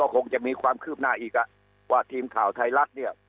คงจะมีความคืบหน้าอีกว่าทีมข่าวไทยรัฐเนี่ย